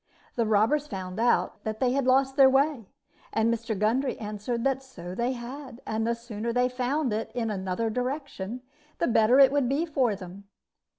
The robbers found out that they had lost their way, and Mr. Gundry answered that so they had, and the sooner they found it in another direction, the better it would be for them.